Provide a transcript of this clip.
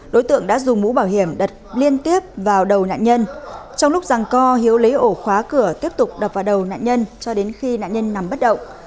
đối tượng đã dùng mũ bảo hiểm đặt liên tiếp vào đầu nạn nhân trong lúc rằng co hiếu lấy ổ khóa cửa tiếp tục đập vào đầu nạn nhân cho đến khi nạn nhân nằm bất động